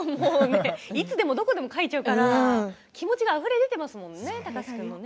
いつでもどこでも書いちゃうから気持ちがあふれ出ていますものね貴司君の。